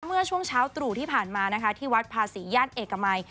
เมื่อช่วงเช้าตรู่ที่ผ่านมานะคะที่วัดภาษีย่านเอกมัย